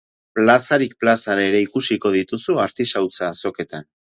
Plazarik plaza ere ikusiko dituzu artisautza azoketan.